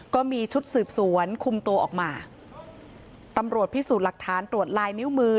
ก็มีชุดสืบสวนคุมตัวออกมาตำรวจพิสูจน์หลักฐานตรวจลายนิ้วมือ